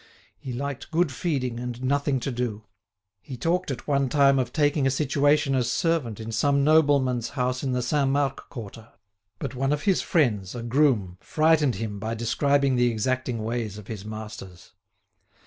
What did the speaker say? He liked good feeding and nothing to do. He talked at one time of taking a situation as servant in some nobleman's house in the Saint Marc quarter. But one of his friends, a groom, frightened him by describing the exacting ways of his masters.